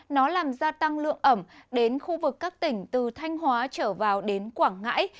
nó làm gia tăng lượng ẩm đến khu vực các tỉnh từ thanh hóa trở vào đến quảng ngãi